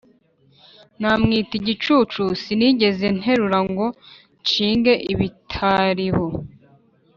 Namwita igicucu Sinigeze nterura Ngo nshinge ibitariho;